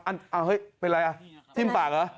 อ้าวเฮ้ยเป็นอะไรทิ้มปากหรือ